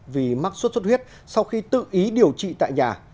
vì mắc suốt suốt huyết sau khi tự ý điều trị tại nhà